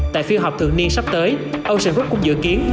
tại phiên họp thượng niên sắp tới ocean group cũng dự kiến